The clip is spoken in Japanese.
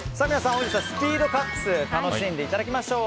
本日はスピードカップスを楽しんでいただきましょう。